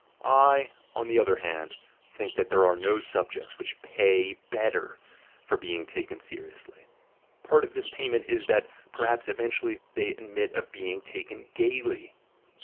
I, on the other hand, think that there are no subjects which pay better for being taken seriously; part of this payment is, that perhaps eventually they admit of being taken gaily.